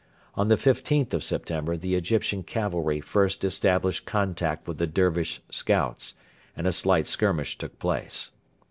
On the 15th of September the Egyptian cavalry first established contact with the Dervish scouts, and a slight skirmish took place.